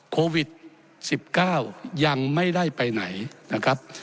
โควิด๑๙ยังไม่ได้ไปไหนนะครับ